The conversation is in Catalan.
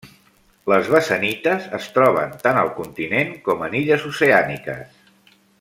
Les basanites es troben tant al continent com en illes oceàniques.